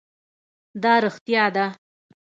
دا رښتیا ده.